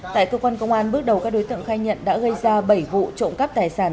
tại cơ quan công an bước đầu các đối tượng khai nhận đã gây ra bảy vụ trộm cắp tài sản